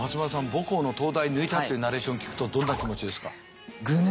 母校の東大抜いたっていうナレーション聞くとどんな気持ちですか？